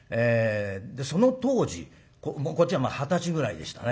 でその当時こっちは二十歳ぐらいでしたね。